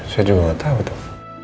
saya juga gak tau tuh